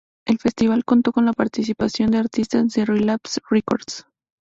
El festival contó con la participación de artistas de Relapse Records.